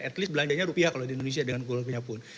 at least belanjanya rupiah kalau di indonesia dengan golfnya pun